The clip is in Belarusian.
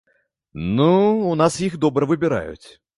Ну, у нас іх добра выбіраюць.